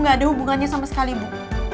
gak ada hubungannya sama sekali bu